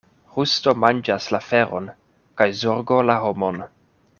Rusto manĝas la feron, kaj zorgo la homon.